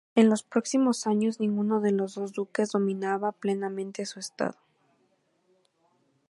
En los próximos años ninguno de los dos duques dominaba plenamente su estado.